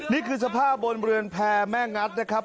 นี่คือสภาพบนเรือนแพร่แม่งัดนะครับ